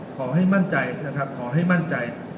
ขอให้มั่นใจนะครับขอให้มั่นใจ